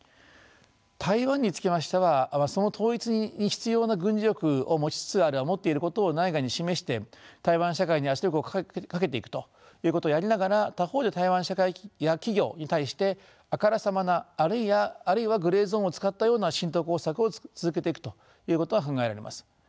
台湾につきましてはその統一に必要な軍事力を持ちつつある持っていることを内外に示して台湾社会に圧力をかけていくということをやりながら他方で台湾社会や企業に対してあからさまなあるいはグレーゾーンを使ったような浸透工作を続けていくということが考えられます。